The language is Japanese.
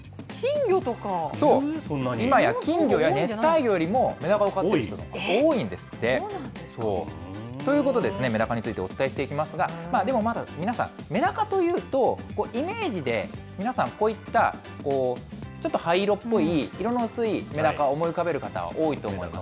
そう、今や金魚や熱帯魚よりも、メダカを飼っている人のほうが多いんですって。ということでメダカについてお伝えしていきますが、でもまだ、皆さん、メダカというと、イメージで皆さん、こういったちょっと灰色っぽい色の薄いメダカを思い浮かべる方、多いと思います。